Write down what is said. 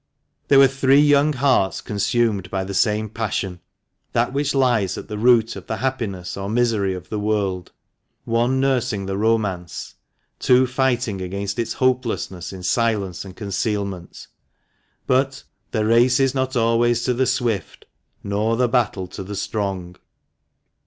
There were three young hearts consumed by the same passion — that which lies at the root of the happiness or misery of the world, — one nursing the romance, two fighting against its hopelessness in silence and concealment; but "the race is not always to the swift, nor the battle to the strong."